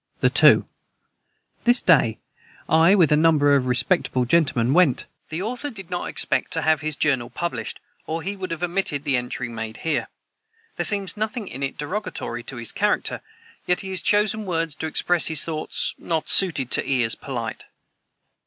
the 2. This day I with a number of rispectable gentlemen went.... [Footnote 186: The author did not expect to have his Journal published, or he would have omitted the entry here made. There seems nothing in it derogatory to his character, yet he has chosen words to express his thoughts not suited "to ears polite."